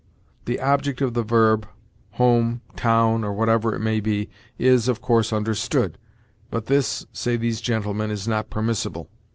The object of the verb home, town, or whatever it may be is, of course, understood; but this, say these gentlemen, is not permissible.